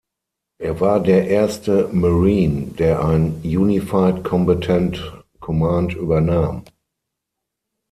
Er war der erste "Marine", der ein "Unified Combatant Command" übernahm.